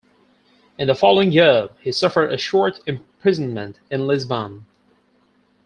In the following year he suffered a short imprisonment in Lisbon.